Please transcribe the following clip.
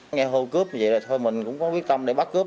nghe hô cướp như vậy là thôi mình cũng có quyết tâm để bắt cướp